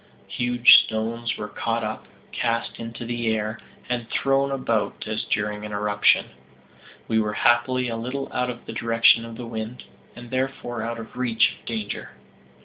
Huge stones were caught up, cast into the air, and thrown about as during an eruption. We were happily a little out of the direction of the wind, and therefore out of reach of danger.